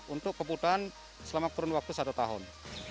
untuk kebutuhan selama kurun waktu satu tahun